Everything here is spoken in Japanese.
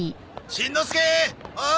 しんのすけー！